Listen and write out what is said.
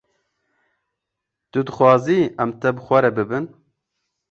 Tu dixwazî em te bi xwe re bibin?